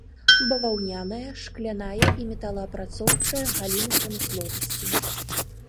Баваўняная, шкляная і металаапрацоўчая галіны прамысловасці.